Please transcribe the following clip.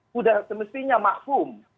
sudah semestinya maklum